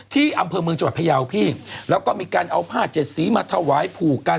ที่อำเภอเมืองจังหวัดพยาวพี่แล้วก็มีการเอาผ้าเจ็ดสีมาถวายผูกกัน